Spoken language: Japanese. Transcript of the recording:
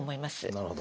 なるほど。